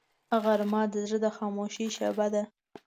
غرمه د زړه د خاموشۍ شیبه ده